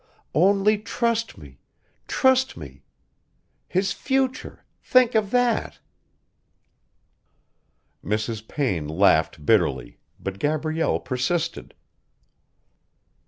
Only trust me ... trust me! His future ... think of that...." Mrs. Payne laughed bitterly, but Gabrielle persisted.